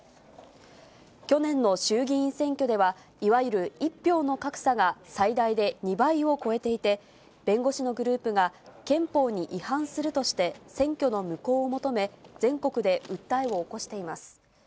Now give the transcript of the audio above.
去年の衆議院選挙では、いわゆる１票の格差が最大で２倍を超えていて、弁護士のグループが、憲法に違反するとして、選挙の無効を求め、全国で訴えを起こしています。